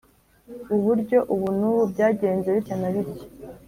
uburyo ubu n’ubu, byagenze bitya na bitya.